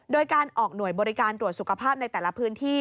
โดยการออกหน่วยบริการตรวจสุขภาพในแต่ละพื้นที่